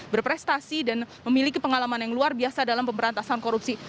berprestasi dan memiliki pengalaman yang luar biasa dalam pemberantasan korupsi